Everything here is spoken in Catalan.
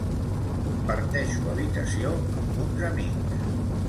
Comparteixo habitació amb uns amics.